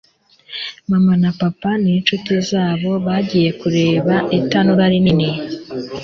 Mama na papa n'inshuti zabo bagiye kureba itanura rinini.